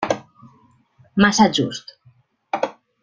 Massa just.